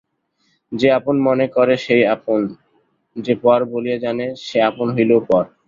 যে আপন মনে করে সেই আপন–যে পর বলিয়া জানে, সে আপন হইলেও পর।